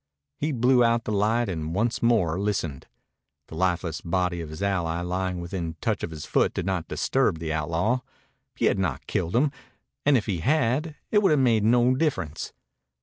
He blew out the light and once more listened. The lifeless body of his ally lying within touch of his foot did not disturb the outlaw. He had not killed him, and if he had it would have made no difference.